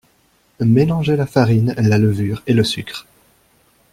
Mélanger la farine, la levure et le sucre